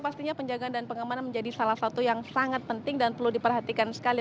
pastinya penjagaan dan pengamanan menjadi salah satu yang sangat penting dan perlu diperhatikan sekali